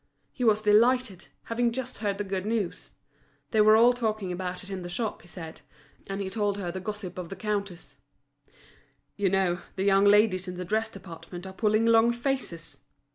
He was delighted, having just heard the good news; they were all talking about it in the shop, he said. And he told her the gossip of the counters. "You know, the young ladies in the dress department are pulling long faces!"